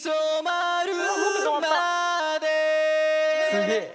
すげえ！